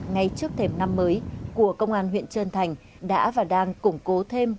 ngay trước thềm năm mới của công an huyện trơn thành đã và đang củng cố thêm